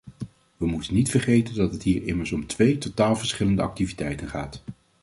We moeten niet vergeten dat het hier immers om twee totaal verschillende activiteiten gaat.